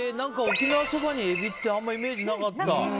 沖縄そばにエビってあんまりイメージなかった。